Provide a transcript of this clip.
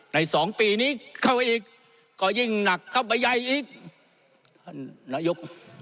สองปีนี้เข้าไปอีกก็ยิ่งหนักเข้าไปใหญ่อีกท่านนายก